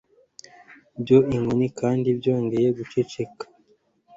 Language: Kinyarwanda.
bya inkoni, kandi byongeye guceceka